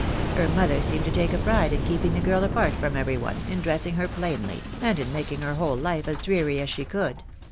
Her mother seemed to take a pride in keeping the girl apart from every one, in dressing her plainly, and in making her whole life as dreary as she could.